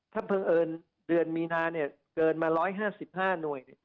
ถ้าเผิงเอิญเดือนมีนาเนี่ยเกินมา๑๕๕หน่วย